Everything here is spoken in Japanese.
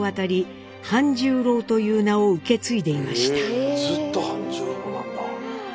へえずっと半十郎なんだ。